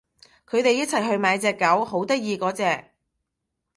佢哋一齊去買隻狗，好得意嗰隻